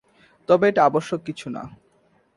তবে এটা আবশ্যক কিছু না।